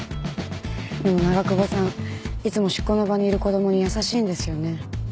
でも長窪さんいつも執行の場にいる子供に優しいんですよね。